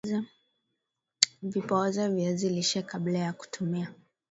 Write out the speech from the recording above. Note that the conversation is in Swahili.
vipooze viazi lishe kabla ya kutumia